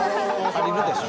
足りるでしょ。